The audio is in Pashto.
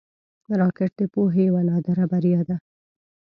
راکټ د پوهې یوه نادره بریا ده